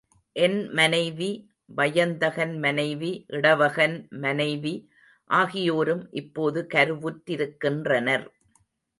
என் மனைவி, வயந்தகன் மனைவி, இடவகன் மனைவி ஆகியோரும் இப்போது கருவுற்றிருக்கின்றனர்.